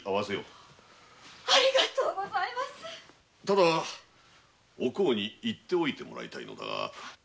ただおこうに言っておいてもらいたいのだが。